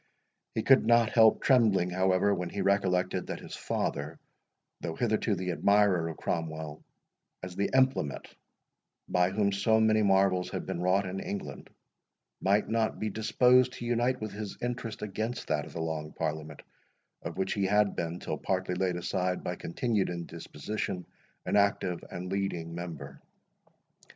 He could not help trembling, however, when he recollected that his father, though hitherto the admirer of Cromwell, as the implement by whom so many marvels had been wrought in England, might not be disposed to unite with his interest against that of the Long Parliament, of which he had been, till partly laid aside by continued indisposition, an active and leading member.